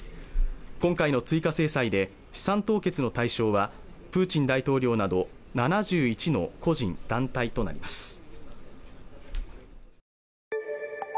今回の追加制裁で資産凍結の対象はプーチン大統領など７１の個人団体となります